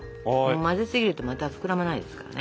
混ぜすぎるとまた膨らまないですからね。